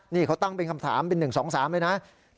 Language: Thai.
นี่เขาตั้งเป็นคำถามเป็น๑๒๓เลยนะ